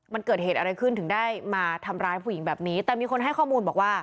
มันเกิดเหตุอะไรขึ้นถึงได้มาทำร้ายผู้หญิงแบบนี้แต่มีคนให้ข้อมูลบอกว่า